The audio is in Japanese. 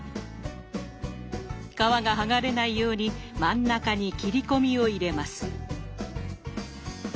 皮がはがれないように真ん中に切り込みを入れます。